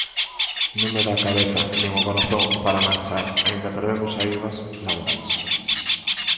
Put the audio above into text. Non me dá a cabeza nin o corazón para marchar, aínda perdendo saídas laborais.